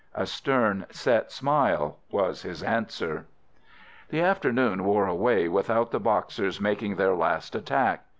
A stern set smile was his answer. The afternoon wore away without the Boxers making their last attack.